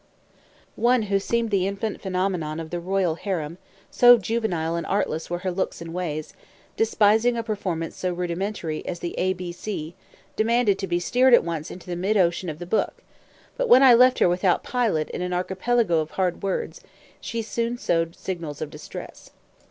One who seemed the infant phenomenon of the royal harem, so juvenile and artless were her looks and ways, despising a performance so rudimentary as the a, b, c, demanded to be steered at once into the mid ocean of the book; but when I left her without pilot in an archipelago of hard words, she soon showed signals of distress.